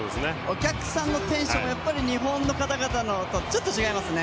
お客さんのテンションは日本の方々とちょっと違いますね。